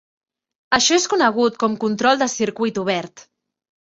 Això és conegut com control de circuit obert.